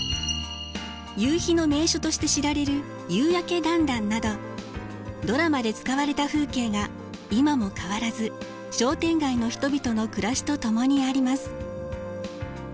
夕日の名所として知られる夕やけだんだんなどドラマで使われた風景が今も変わらず商店街の人々の暮らしと共にあります。